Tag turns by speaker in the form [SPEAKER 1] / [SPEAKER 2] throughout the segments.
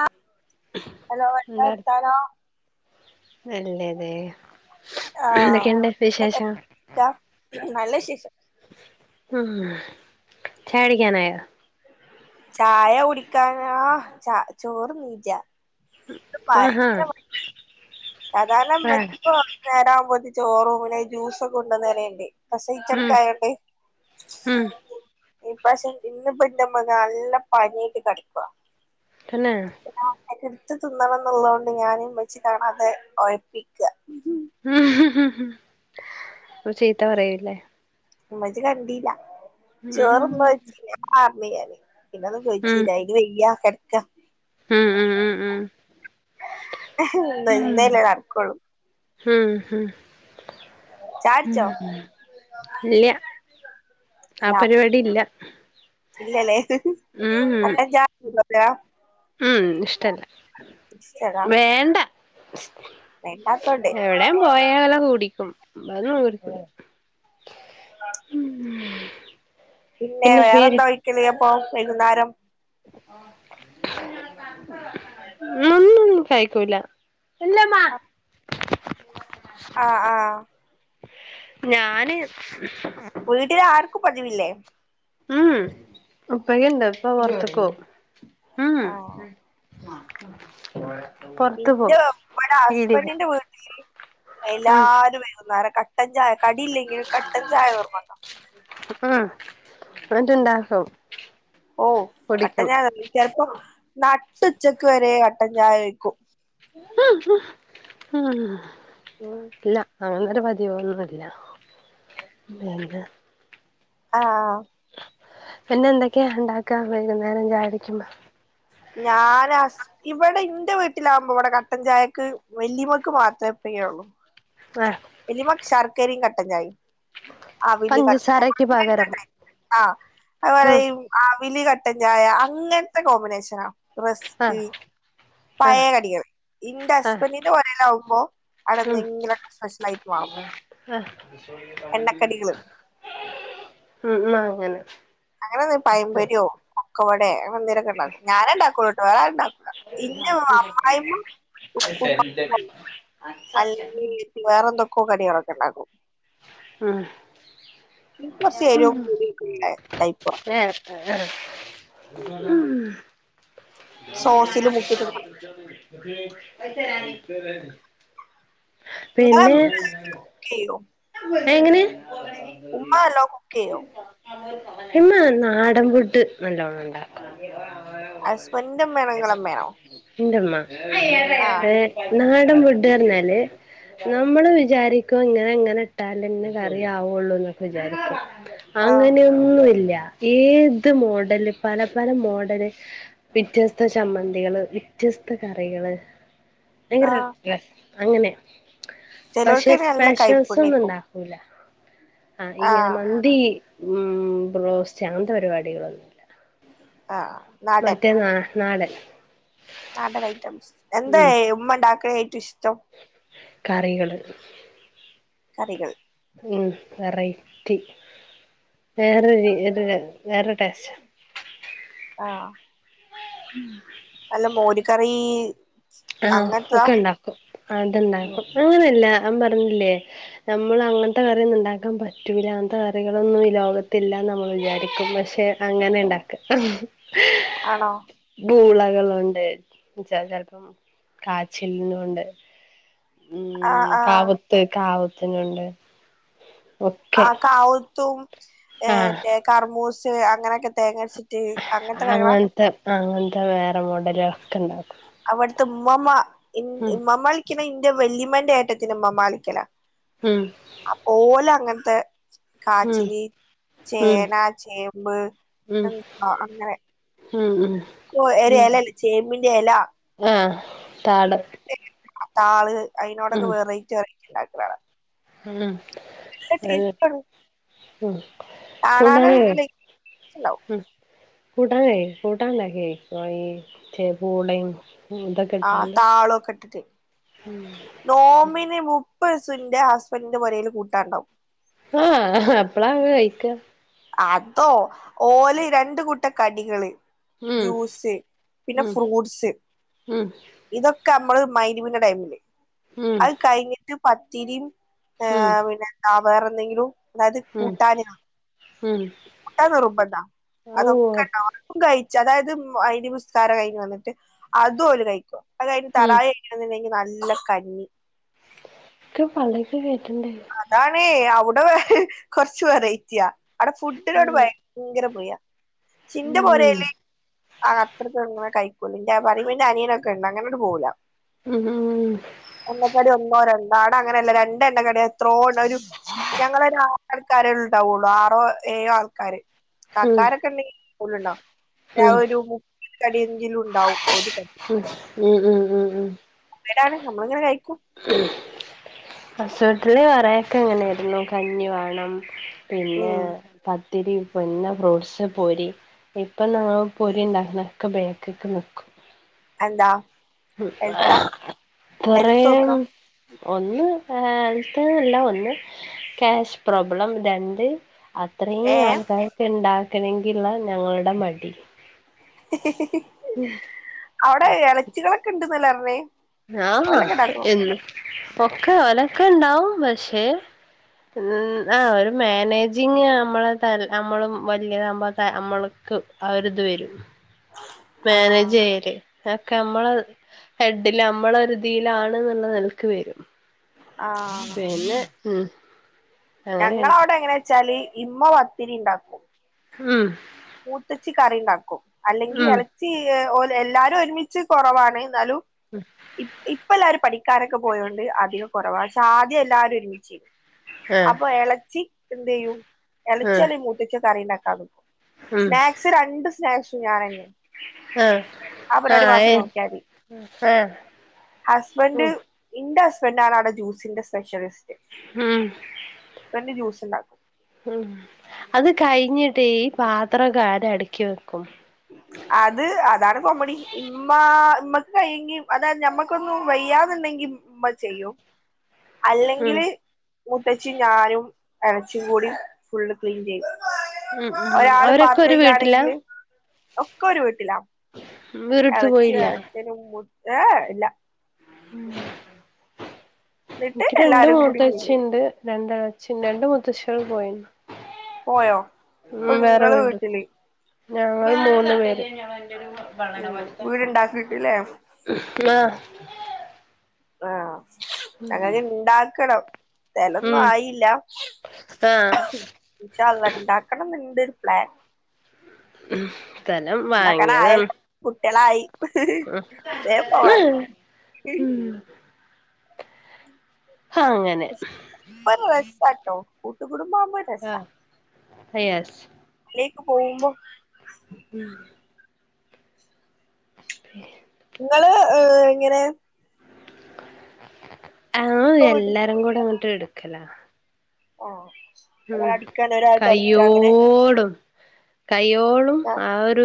[SPEAKER 1] ആ ഹലോ എന്താ [unintelligible]
[SPEAKER 2] അല്ലെതെ
[SPEAKER 1] ആഹ് നല്ല വിശേഷം
[SPEAKER 2] ഉം ചായകുടിക്കാനായോ
[SPEAKER 1] ചായ കുടിക്കാന് ആ ചോറ് [unintelligible]
[SPEAKER 2] ആഹാ
[SPEAKER 1] സാധാരണം
[SPEAKER 2] ആ
[SPEAKER 1] മറ്റിപ്പോ നേരാംപ്പൊതി ചോറും പിന്നെ ജൂസ് ഒക്കെ കൊണ്ടുവന്ന് എലയില്ലേ
[SPEAKER 2] ഉം
[SPEAKER 1] പ്രസവിച്ചുകെടക്കുവായൊണ്ട്
[SPEAKER 2] ഉം
[SPEAKER 1] ഈ പക്ഷെ ഇന്നിപ്പംഉമ്മാക്ക് നല്ല പനിയായിട്ട് കെടക്കുവ
[SPEAKER 2] പിന്നെ
[SPEAKER 1] [inaudible] തിന്നണോന്നുള്ളോണ്ട് ഞാനും ഉമ്മച്ചി കാണാതെ ഒഴപ്പിക്കാ
[SPEAKER 2] ഹിഹി ചീത്താ പറയൂല്ലേ
[SPEAKER 1] ഉമ്മച്ചി കണ്ടീല്ല
[SPEAKER 2] ഉം
[SPEAKER 1] ചോറൊന്നും വെച്ചീല [unintelligible] പിന്നൊന്നും
[SPEAKER 2] ഉം
[SPEAKER 1] ചോയിച്ചീലാ ഇത് വെയ്യ കെടക്കാ
[SPEAKER 2] ഉം ഉം ഉം
[SPEAKER 1] ഇന്ന് ഇന്നല്ലേ നടക്കുള്ളൂ
[SPEAKER 2] ഹും ഹും
[SPEAKER 1] ചാടിച്ചോ
[SPEAKER 2] ഉം ഇല്ല ആ
[SPEAKER 1] ഇല്ല
[SPEAKER 2] പരിപാടി ഇല്ല [inaudible]
[SPEAKER 1] ഇല്ലല്ലേ
[SPEAKER 2] ഉം ഉം
[SPEAKER 1] കട്ടൻ ചായ
[SPEAKER 2] ഉം ഇഷ്ടല്ല
[SPEAKER 1] ഇഷ്ടടാ
[SPEAKER 2] വേണ്ട
[SPEAKER 1] വേണ്ടാത്തോണ്ട്
[SPEAKER 2] എവിടയും പോയാല കൂടിക്കും [unintelligible] ഉം
[SPEAKER 1] പിന്നെ വേറെന്താ ഒഴിക്കല് അപ്പൊ വൈകുന്നേരം
[SPEAKER 2] ഉം ഒന്നും കഴിക്കൂല ഇല്ലമ്മ
[SPEAKER 1] അ ആഹ് ആഹ്
[SPEAKER 2] ഞാന്
[SPEAKER 1] വീട്ടില് ആർക്കും പതിവില്ലേ
[SPEAKER 2] ഉം ഉപ്പക്കിണ്ട് ഇപ്പം പൊറത്ത്ക്കോവും ഉം
[SPEAKER 1] ആഹ്
[SPEAKER 2] പൊറത്ത്
[SPEAKER 1] ഇന്റെ
[SPEAKER 2] പോവും
[SPEAKER 1] ഉമ്മാട
[SPEAKER 2] പീടിക
[SPEAKER 1] ഹസ്ബൻ്റിന്റെ വീട്ടില്
[SPEAKER 2] ഉം
[SPEAKER 1] എല്ലാരും വൈകുന്നേരം കട് കട്ടൻചായ കടിയില്ലെങ്കിലും കട്ടൻചായ നിർബന്ദാ
[SPEAKER 2] ഉം എന്നിട്ട്ണ്ടാക്കും
[SPEAKER 1] ഓ
[SPEAKER 2] കുടിക്കും
[SPEAKER 1] കട്ടൻചായ [unintelligible] നട്ട് ഉച്ചക്ക് വരെ കട്ടൻചായ കഴിക്കും ഉം
[SPEAKER 2] ഇല്ല അങ്ങനൊരു പതിവൊന്നുല്ല പിന്ത്
[SPEAKER 1] ആഹഹ്
[SPEAKER 2] പിന്നെഎന്തൊക്കെയാ ഉണ്ടാക്കാ വൈകുന്നേരംചായക്കുടിക്കുമ്പോ
[SPEAKER 1] ഞാന സ് ഇവിടെ ഇന്റെ വീട്ടിലാകുമ്പോ ഇവിടെ കട്ടൻചായക്ക് വെല്ലിമ്മക്ക് മാത്രം ഫ്രീയാണോ
[SPEAKER 2] ആഹ്
[SPEAKER 1] വല്യയുമ്മക്ക് ശർക്കരയും കട്ടചായയും അവല് കട്ടില്ല
[SPEAKER 2] പഞ്ചസാരക്ക് പകരം
[SPEAKER 1] അഹ്‌
[SPEAKER 2] ഉം
[SPEAKER 1] അത്പറയും ആവില് ക ട്ടൻചായ അങ്ങനത്തെ കോമ്പിനേഷനാറസ്ക്ക്
[SPEAKER 2] ആഹ് ആഹ്
[SPEAKER 1] പയകടിയോ ഇന്റെ
[SPEAKER 2] ആഹ്
[SPEAKER 1] ഹസ്ബൻറ്റിന്റെ കൊടെലവുമ്പോ
[SPEAKER 2] ഉം
[SPEAKER 1] അവിടെഎന്തെകിലുംഒക്കെ സ്പെഷ്യൽആയിക്ക്‌ ആവും എണ്ണക്കടികള്
[SPEAKER 2] ഉ ഉം അങ്ങനെ
[SPEAKER 1] അങ്ങനെന്ന് പയമ്പരിയോ കൊക്കവടയോ എന്ദിരൊക്കെ ഉണ്ടാക്കൂ ഞാനൻ ഉണ്ടാക്കളുട്ടോവേറെആരും ഉണ്ടാക്കൂല ഇന്റെ അമ്മായിമ്മ
[SPEAKER 2] [unintelligible]
[SPEAKER 1] അല്ലക്കി വേറെന്തൊക്കെയോ കടികളൊക്കെ ഉണ്ടാക്കും
[SPEAKER 2] ഹ്മ്
[SPEAKER 1] ഇപ്രശ്ര്ര് കുടിട്ടുള്ള
[SPEAKER 2] ഏ ഏഹ്
[SPEAKER 1] സോസില് മുക്കി തിന്നാ
[SPEAKER 2] ഉമ്മ് [unintelligible]
[SPEAKER 1] [unintelligible]
[SPEAKER 2] എങ്ങനെ
[SPEAKER 1] ഉമ്മ അല്ലോ കുക്കെയോ
[SPEAKER 2] ഇമ്മ നാടൻപുട്ട് നല്ലോണം ഇണ്ടാറിയ
[SPEAKER 1] ഹസ്ബൻഡ്ന്റെ മ്മയാണോനിങ്ങടെഅമ്മയാണോ
[SPEAKER 2] എ ന്നാൽ [unintelligible] ഫുഡ്പറഞ്ഞാല് നമ്മള് വിചാരിക്ക ഇങ്ങനെങ്ങനെ കട്ടാൽഇന്ന് കറിയവുള്ളൂ എന്നൊക്കെ വിചാരിക്കും
[SPEAKER 1] ആഹ്
[SPEAKER 2] അങ്ങനെയൊന്നുംല്ല ഏത് മോഡല് പല പല മോഡല് വ്യത്യസ്ത ചമ്മന്തികള് വ്യത്യസ്തക്കറികള് ഭയങ്കര
[SPEAKER 1] ആഹ്
[SPEAKER 2] ഇൻട്രസ്റ്റ് പക്ഷെ
[SPEAKER 1] ചെലോൽക്കയിന് നല്ല
[SPEAKER 2] സ്‌പെഷൽസ്
[SPEAKER 1] കൈപ്പുണ്യേക്കും
[SPEAKER 2] ഒന്നുംഉണ്ടാകക്കൂല ആഹ് ഇങ്ങനെ മന്തി ഉം റോസ്റ്റ്അങ്ങനെത്തെ പരിപാടികളൊന്നുല്ല
[SPEAKER 1] ആഹ നടൻ
[SPEAKER 2] മറ്റേ നാ നാടൻ
[SPEAKER 1] നാടൻ ഐറ്റംസ്
[SPEAKER 2] ഉം
[SPEAKER 1] എന്താഎഉമ്മഇണ്ടാക്ക്ക്കെഏറ്റവുഇഷ്ട്ടം
[SPEAKER 2] കറികള്
[SPEAKER 1] കറികൾ
[SPEAKER 2] ഉഹ്മ് വെറൈറ്റി വേറെൊരിത് വേറെടെസ്റ്റ്
[SPEAKER 1] ആഹ
[SPEAKER 2] ഉമ്മ്മേ ഉം
[SPEAKER 1] അല്ല മോര് കറി...
[SPEAKER 2] ആഹ
[SPEAKER 1] അങ്ങൻത്തതാ
[SPEAKER 2] ഒക്കെ ഉണ്ടാക്കും അത്ണ്ടാക്കും അങ്ങനെയല്ല ഞൻ പറഞ്ഞില്ലേ നമ്മൾ അങ്ങനത്തെ കറിയൊന്നും ഉണ്ടാക്കാൻ പറ്റൂല അങ്ങനത്തെ കറികളൊന്നും ലോകത്തില്ലാ നമ്മൾ വിചാരിക്കും പക്ഷെ അങ്ങനെഇണ്ടാക്ക
[SPEAKER 1] ആണോ
[SPEAKER 2] പൂളകളുണ്ട് ചെലപ്പം കാച്ചിൽന്നുംണ്ട് ഉം
[SPEAKER 1] ആഹ് ആഹ്
[SPEAKER 2] കാവത്ത് കാവത്തിനുണ്ട് ഒക്കെ
[SPEAKER 1] ആ കാവുത്തുംഎ
[SPEAKER 2] ആഹ്
[SPEAKER 1] തേ കർമൂസ് അങ്ങനൊക്കെ തേങ്ങച്ചിട്ട്
[SPEAKER 2] അങ്ങനത്തെ അങ്ങനത്തെ വേറെ മോടല ഒക്കെ ഇണ്ടക്കും
[SPEAKER 1] അവിടുത്തെ ഉമ്മമാ എ
[SPEAKER 2] ഉം
[SPEAKER 1] ഉമ്മാളിക്കന ഇന്റെ വെള്ളിമന്റെ ഏറ്റത്തിന് ഉമ്മമാളിക്കന
[SPEAKER 2] ഉം
[SPEAKER 1] അപ്പൊ ഓലെ അങ്ങനത്തെ
[SPEAKER 2] ഉം
[SPEAKER 1] കാച്ചിലി
[SPEAKER 2] ഉം
[SPEAKER 1] ചേന ചേമ്പ്
[SPEAKER 2] ഉം
[SPEAKER 1] എത്ത് അങ്ങനെ
[SPEAKER 2] ഉം ഉം
[SPEAKER 1] ഒരു ഇലല്ലേ ചേമ്പിന്റെ ഇല
[SPEAKER 2] ആഹ് താട്
[SPEAKER 1] താള് അതിനോടൊക്കെ വെറൈറ്റി വെറൈറ്റി ഉണ്ടാക്കും വേറെ
[SPEAKER 2] ഹല [unintelligible]
[SPEAKER 1] അ പൂ [unintelligible]
[SPEAKER 2] ഉം കൂട്ടാനേ
[SPEAKER 1] കാണാനല്ലോ
[SPEAKER 2] കൂട്ടാൻ കൂട്ടാനു ഈ ച പൂടെയും ഇതൊ
[SPEAKER 1] ആ
[SPEAKER 2] കിട്ടാണ്ട്
[SPEAKER 1] താളൊക്കെ ഇട്ടിട്ട് നോമ്പിന് മുപ്പത് ദിവസൻ്റെ ഹസ്ബൻഡിന്റെ പുരൽ കൂട്ടാനുണ്ടാവും
[SPEAKER 2] ആഹ് അപ്പളാ എല്ലാം കഴിക്ക
[SPEAKER 1] അതോ ഓല് രണ്ട് കൂട്ടം കടികള്
[SPEAKER 2] ഉം
[SPEAKER 1] ജ്യൂസ് പിന്നെ
[SPEAKER 2] ഉം
[SPEAKER 1] ഫ്രൂട്ട്സ്
[SPEAKER 2] ഉം
[SPEAKER 1] ഇതൊക്കെ നമ്മള് മഹ്‌രിബിന്റെ ടൈമില്
[SPEAKER 2] ഉം
[SPEAKER 1] അത് കഴിഞ്ഞിട്ട് പത്തിരിയും
[SPEAKER 2] ഉം
[SPEAKER 1] ഏഹ് പിന്നെന്താ വേറെ എന്തെങ്കിലും അതായത്
[SPEAKER 2] ഉം
[SPEAKER 1] കൂട്ടാനും
[SPEAKER 2] ഉം
[SPEAKER 1] കൂട്ടാൻ നിർബന്ധാ
[SPEAKER 2] ഔ
[SPEAKER 1] അതൊക്കെണ്ടായ ഴ അതായത് മഹ്‌രിബ് നിസ്‌കാരം കഴിഞ്ഞ് വന്നിട്ട് അതും ഓര് കഴിക്കും അത് കഴിഞ്ഞ്
[SPEAKER 2] ഉം
[SPEAKER 1] തറാവി നിസ്‌കാരം കഴിഞ്ഞ് വന്നിട്ട് നല്ല കഞ്ഞി
[SPEAKER 2] ഇക്കെ പള്ളക്ക് കേറ്റണ്ടേ
[SPEAKER 1] അഹ് അവിടെ വെ കുറച്ച് വെറൈറ്റിയ അവിടെ ഫുഡിനോട്
[SPEAKER 2] ഉം
[SPEAKER 1] ഭയങ്കര പ്രിയ ൻ്റെ
[SPEAKER 2] ഉം
[SPEAKER 1] പെരയില് ആഹ് അത്ര ഒന്നും കഴിക്കൂല ന്റെ അനിയനൊക്കെ ഉണ്ട് അങ്ങന ങ്ങോട്ട് പോവൂല
[SPEAKER 2] ഉം ഉം ഉം
[SPEAKER 1] എണ്ണക്കടി ഒന്നോ രണ്ടോ അവിട അങ്ങനെല്ല രണ്ട് എണ്ണക്കടി എത്രോ ഒരു ഞങ്ങളൊരു ആറ് ആൾക്കാരെ ഉണ്ടാവുള്ളൂ ആറോ ഏഴോ ആൾക്കാര്
[SPEAKER 2] ഉം ഉം
[SPEAKER 1] കക്കാരൊക്കെ ഉണ്ടെങ്കും ലുണ്ടോ
[SPEAKER 2] ഉം
[SPEAKER 1] ഒരു മുപ്പതു കടി എങ്കിലും ഉണ്ടാവും ഒരു കടി
[SPEAKER 2] ഉം ഉം ഉം
[SPEAKER 1] അതാണ് നമ്മള് എങ്ങനെ കഴിക്കും
[SPEAKER 2] ഹസ് വീട്ടിലെ കുറയൊക്കെ എങ്ങനെയായിരുന്നു കഞ്ഞി വേണം പിന്നെ
[SPEAKER 1] ഉം
[SPEAKER 2] പത്തിരിയും പിന്നെ ഫ്രൂട്ട്സ് പൊരി ഇപ്പ ഞാൻ പൊരിണ്ടാക്കുന്നക്കെ ബാക്കിക്ക് നിക്കും
[SPEAKER 1] എന്താ ഹെൽത്താ
[SPEAKER 2] കൊറേ
[SPEAKER 1] ഹെൽത്ത് നോക്ക
[SPEAKER 2] ഒന്ന്ത്തന്നല്ല ഒന്ന് ക്യാഷ് പ്രോബ്ലം രണ്ട്
[SPEAKER 1] ഏ
[SPEAKER 2] അത്രയും ആൾക്കാരൊക്കെ ഉണ്ടാക്കണമെങ്കില് ഞങ്ങളുടെ മടി
[SPEAKER 1] അവിടെ ഇളച്ചികളൊക്കെ ഉണ്ടന്നല്ലെപറഞ്ഞേ
[SPEAKER 2] ആഹ് എ ഒക്കെ ഓലൊക്കെ ഇണ്ടാവും പക്ഷേ ഉം ആ ഒരു മാനേജിങ് നമ്മള ത നമ്മളും വലിയത നമ്മള് അവരുത് വരും മാനേജ്
[SPEAKER 1] ആഹ്
[SPEAKER 2] ചെയ്യല് അക്കെ നമ്മള് ഹെഡില് നമ്മള ഒരുതിയിലാണ് എന്നുള്ള എനക്ക് വരും പിന്നെ ഉം അങ്ങനെയാണ്
[SPEAKER 1] ഞങ്ങവിടെ എങ്ങനെ വെച്ചാല് ഇമ്മ പത്തിരി ഉണ്ടാക്കും
[SPEAKER 2] ഉം
[SPEAKER 1] മൂത്തച്ചി കറിണ്ടാക്കും അല്ലെങ്കിൽ
[SPEAKER 2] ഉം
[SPEAKER 1] ഇറച്ചി ഓ എല്ലാരും ഒരുമിച്ച് കുറവാണ് എന്നാലും ഇപ്പ എല്ലാരും പഠിക്ക കിക്കാരൊക്കെ പോയോണ്ട് അതിന് കൊറവാ പക്ഷെ ആദ്യം എല്ലാരും ഒരുമിച്ച്തു
[SPEAKER 2] ആഹ്
[SPEAKER 1] അപ്പൊ ഇളച്ചി എന്ത് ചെയ്യും എളിച്ചി
[SPEAKER 2] ആഹ്
[SPEAKER 1] അല്ലേൽ മൂത്തിച്ചി കറി ഉണ്ടാക്കാൻ നിക്കും സ്നാക്സ് രണ്ട് ുഞൻെ [unintelligible]
[SPEAKER 2] ആഹ ആഹ ആഹ
[SPEAKER 1] ഹസ്ബഡ് ൻ്റെ ഇപ്പെന്നെ ആണ് അയുടെ ജ്യൂസിന്റെ സ്പെഷ്യലിസ്റ്റ്.
[SPEAKER 2] ഉം
[SPEAKER 1] ഇപ്പെന്നെ ജ്യൂസ് ഇണ്ടാക്കാ
[SPEAKER 2] ഉം അത് കഴിഞ്ഞിട്ട് ഈ പാത്രം ഒക്കെ ആര് അട്ക്കി വെക്കും
[SPEAKER 1] അത് അതാണ് കോമെഡി ഇമ്മാ ഇമ്മെക്ക് കഴിയെങ്കി അതായെത് ഞമ്മക്കൊന്നും വയ്യാന്ന് ഇണ്ടെങ്കി ഇമ്മ ചെയ്യും
[SPEAKER 2] ഉം
[SPEAKER 1] അല്ലെങ്കിൽ മുത്തെച്ചിം ഞാനും എളെച്ചിം കൂടിം ഫുള്ള് ക്ലീൻ ചെയ്യും
[SPEAKER 2] ഉം ഉം
[SPEAKER 1] ഒരാള്
[SPEAKER 2] അവരൊക്കെ
[SPEAKER 1] പാത്രം
[SPEAKER 2] ഒരു വീട്ടിലാ
[SPEAKER 1] കെഴ്ക്കാണെങ്കിൽ ഒക്കെ ഒര് വീട്ട്ലാ
[SPEAKER 2] വേറെടുത്ത്
[SPEAKER 1] എളച്ചി
[SPEAKER 2] പോയില്ല
[SPEAKER 1] വെരച്ചലും മുട്ടാ ഏഹ് ഇല്ല
[SPEAKER 2] ഉം
[SPEAKER 1] എന്നിട്ട്
[SPEAKER 2] എനിക്ക് രണ്ട്
[SPEAKER 1] എല്ലാരും കൂടി ക്ലീൻ
[SPEAKER 2] മൂത്തച്ചി
[SPEAKER 1] ചെയ്യും
[SPEAKER 2] ഇണ്ട് രണ്ട് എളച്ചിണ്ട് രണ്ട് മുത്തചാള് പോയിണ്
[SPEAKER 1] പോയോ ഇപ്പൊ
[SPEAKER 2] ഉം വേറെ
[SPEAKER 1] ഇങ്ങള്
[SPEAKER 2] വീട്
[SPEAKER 1] വീട്ട്ല്?
[SPEAKER 2] ഞങ്ങള് മൂന്ന് പേര്
[SPEAKER 1] ഉം വീടുണ്ടാക്കിട്ടില്ലേ
[SPEAKER 2] ആഹ്
[SPEAKER 1] ആഹ് ഞങ്ങക്ക് ഇണ്ടാക്കണം സ്ഥലൊന്നും
[SPEAKER 2] ഉം
[SPEAKER 1] ആയില്ല.
[SPEAKER 2] ആഹ്
[SPEAKER 1] ഇന്ഷാ അല്ലാഹ് ഇണ്ടാക്കണം ഇന്ന്ണ്ട് പ്ലാൻ
[SPEAKER 2] ഉം സ്ഥലം വാങ്ങിയതാണ്
[SPEAKER 1] ഇണ്ടാക്കാനായല്ലോ കുട്ട്യാളായി വേം പോവാന്
[SPEAKER 2] ഉം ഉം അങ്ങനെ
[SPEAKER 1] [unintelligible] കൂട്ടും
[SPEAKER 2] ആഹ് [unintelligible]
[SPEAKER 1] പോവുമ്പം
[SPEAKER 2] ഉം ബേം
[SPEAKER 1] ഇങ്ങള് എങ്ങനെ
[SPEAKER 2] ആഹ്
[SPEAKER 1] ഇപ്പൊ വീട്ടിൽ
[SPEAKER 2] എല്ലാരും കൂടെ അങ്ങട്ട് ഇട്ക്കലാ
[SPEAKER 1] ആഹ് ഒരാള് അടിക്ണങ്കി ഒരാള് തോട്ക്കാ അങ്ങനെ
[SPEAKER 2] കയ്യോടും കയ്യോളും ആഹ് ഒരു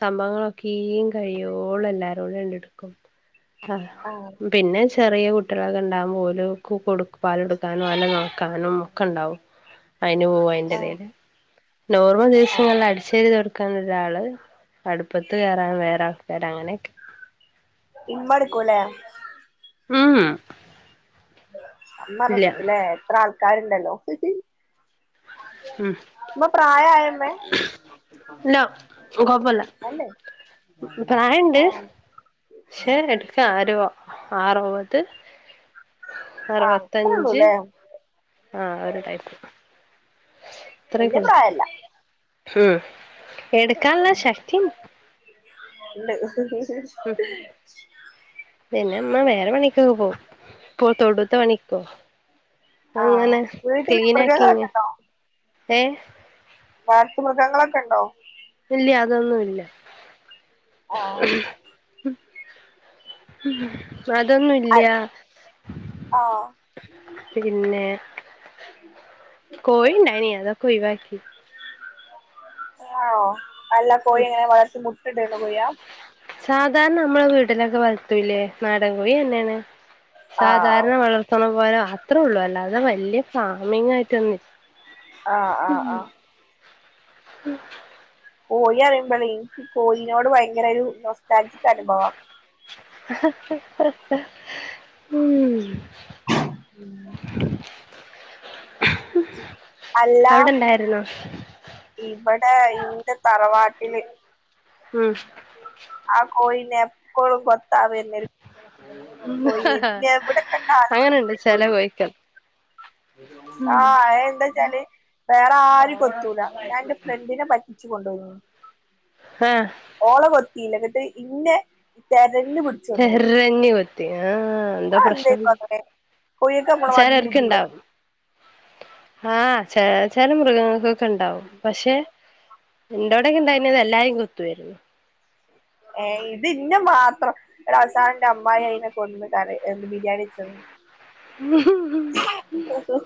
[SPEAKER 2] സംഭവങ്ങളൊക്കിം കയോളും എല്ലാരോടിം അണ്ട് ഇട്ക്കും അഹ്
[SPEAKER 1] ആഹ്
[SPEAKER 2] പിന്നെയ്ച്ചാ ചെറിയ കുട്ടികളൊക്കെ ഉണ്ടാവുമ്പോ ഓല്ക്ക് കോട് പാല് കൊടുക്കാനും ഓലെ നോക്കാനും ഒക്കെ ഇണ്ടാവും അയ്ന് പോവും അയ്ന്റെ
[SPEAKER 1] ആഹ്
[SPEAKER 2] എടില് നോർമൽ
[SPEAKER 1] ആഹ്
[SPEAKER 2] ദിവസങ്ങളിൽ അടിചെരി തര് ക്കാന് ഒരാള് അട്പ്പത്ത് വേറാ വേറാൾക്കാര് അങ്ങനെക്കെ
[SPEAKER 1] ഇമ്മള്ടുക്കലെ
[SPEAKER 2] ആഹ്
[SPEAKER 1] അമ്മ റെസറ്റ് ഇല്ലേ എത്ര ആൾക്കാരുണ്ടല്ലോ
[SPEAKER 2] ഉം
[SPEAKER 1] അമ്മ പ്രായയമ്മേ
[SPEAKER 2] നോ കൊഴപ്പമില്ല
[SPEAKER 1] അല്ലേ
[SPEAKER 2] പ്രായുണ്ട്
[SPEAKER 1] ആഹ്
[SPEAKER 2] പക്ഷെ എടു [unintelligible] ക്ക ആരു അറുപത്
[SPEAKER 1] ആഹ് അത്രേ
[SPEAKER 2] അറുപത്തഞ്ച്
[SPEAKER 1] ഉള്ളൂല്ലേ
[SPEAKER 2] ആഹ് ഒരു ടൈപ്പ് അത്രയൊക്കെ
[SPEAKER 1] എന്റെ
[SPEAKER 2] ഉള്ളൂ
[SPEAKER 1] പ്രായല്ല
[SPEAKER 2] ഉം എടുക്കാനുള്ളല്ല ശക്തിയും -
[SPEAKER 1] [unintelligible]
[SPEAKER 2] ഉം പിന്നെ അമ്മ വേറെ പണി പോ പോ തൊടുത്ത പണിക്കോ
[SPEAKER 1] ആ
[SPEAKER 2] അങ്ങനെ
[SPEAKER 1] വീട്ടില്
[SPEAKER 2] ക്ലീൻ ആക്കി ഇങ്
[SPEAKER 1] മൃഗങ്ങളൊക്കെ ഉണ്ടോ
[SPEAKER 2] ഏ
[SPEAKER 1] വളർത്തു മൃഗങ്ങളൊക്കെയുണ്ടോ
[SPEAKER 2] ഇല്യ അതൊന്നുയില്ല
[SPEAKER 1] ആ
[SPEAKER 2] അതൊന്നും ഇല്യ
[SPEAKER 1] ആ
[SPEAKER 2] പിന്നെ കോഴി ഉണ്ടായിനെ അതൊക്കെ ഒഴിവാക്കി
[SPEAKER 1] ആ അല്ല കോഴ
[SPEAKER 2] ഉം
[SPEAKER 1] ഇങ്ങനെ വളർച്ച മുട്ടിട്ടു കൊയ്യ
[SPEAKER 2] സാധാരണ നമ്മളെ വീട്ടിലൊക്കെ വളർത്തൂല്ലേ നാടൻ കോഴി തന്നെയാണ്
[SPEAKER 1] ആ
[SPEAKER 2] സാധാരണ വളർത്തണ പോലെ അത്രേ ഉള്ളൂ അല്ലാതെ വലിയ ഫാമിംഗ ആയിട്ട് ഒന്നുല്ല
[SPEAKER 1] ആ ആ ആ
[SPEAKER 2] ഉം
[SPEAKER 1] കോഴി അറിയുമ്പോല്ലേ എനിക്ക് ബി കോഴനോട് ഭയങ്കര ഒരു നൊസ്റ്റാജിക്ക് അനുഭവം
[SPEAKER 2] ഉം
[SPEAKER 1] [inaudible] അല്ല
[SPEAKER 2] അവിടെണ്ടായിരുന്നു
[SPEAKER 1] ഇവിടെ ഇന്റെ തറവാട്ടില്
[SPEAKER 2] ഉം
[SPEAKER 1] ആ കോയി എപ്പോഴും കൊ ത്താൻ വരുന്ന ഒരു കോഴി
[SPEAKER 2] ആഹ്
[SPEAKER 1] ആയിരുന്നു എവിടെ കണ്ടാലും
[SPEAKER 2] അങ്ങനെണ്ട് ചെല
[SPEAKER 1] [unintelligible]
[SPEAKER 2] കോഴിക്കൾ
[SPEAKER 1] ആ എന്താ വച്ചാല് വേറെ ആരും കൊത്തൂല ഞാൻ എന്റെ ഫ്രണ്ടിനെ പറ്റി ച്ചു കൊണ്ട് പോയി
[SPEAKER 2] ആഹ്
[SPEAKER 1] ഓള കൊത്തില്ല എന്നിട്ട് ഇന്നേ
[SPEAKER 2] തെരഞ്ഞു കൊത്തി ആ എന്തോ
[SPEAKER 1] അതെന്തേക്കും
[SPEAKER 2] പ്രശ്നണ്ട്
[SPEAKER 1] അങ്ങനെ കോഴിയൊക്കെ നമ്മളെ
[SPEAKER 2] വിചാരം
[SPEAKER 1] മാതിരി
[SPEAKER 2] എനിക്ക്
[SPEAKER 1] ബുദ്ധിയില്ല
[SPEAKER 2] ഇണ്ടാവും ആ ച ചില മൃഗങ്ങൾക്കൊക്കെ ഉണ്ടാവും പക്ഷെ എന്റെോടെക്കെ ഇണ്ടായിത് എല്ലാരെ കൊത്തുവാരുന്നു
[SPEAKER 1] ഏ ഇത് ഇന്നെ മാത്രം അവസാനന്റെ അമ്മായി അതിനെ കൊന്ന് കറി ന്ന് ബിരിയാണി വച്ച്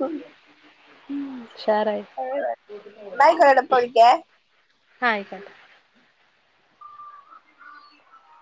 [SPEAKER 1] തന്നു
[SPEAKER 2] ഉഷാറായി
[SPEAKER 1] ന്നാ ആയിക്കോട്ടെ ട്ടോ പ്പ വിളിക്കേ
[SPEAKER 2] ആയിക്കോട്ടെ
[SPEAKER 1] [inaudible]